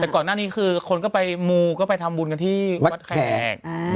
แต่ก่อนหน้านี้คือคนก็ไปมูก็ไปทำบุญกันที่วัดแขก